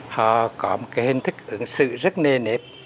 họ có một cái hình thức ứng xử rất nề nếp